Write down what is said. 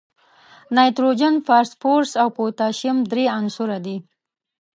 نایتروجن، فاسفورس او پوتاشیم درې عنصره دي.